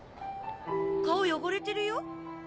顔汚れてるよ？